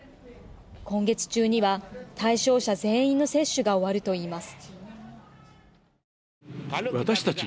今月中には対象者全員の接種が終わるといいます。